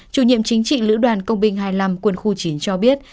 chủ nhiệm chính trị lữ đoàn công binh hai mươi năm quân khu chín cho biết